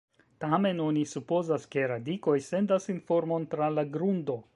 Tamen oni supozas ke radikoj sendas informon tra la grundo.